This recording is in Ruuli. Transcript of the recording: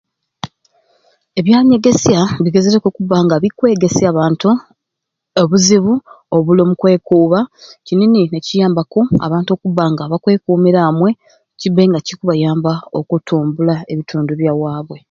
Ebyanyegesya bigezereku okubba nga bikwegesya abantu obuzibu obuli omukwekuuba kini ni nikiyambaku abantu okubba nga bakwekumira amwei kibe nga kikubayamba okutumbula ebitundu byawabwe.